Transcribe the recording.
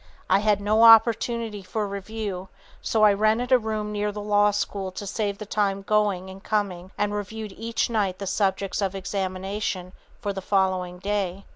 I had no opportunity for review, so I rented a room near the law school to save the time going and coming and reviewed each night the subjects of examination for the following day.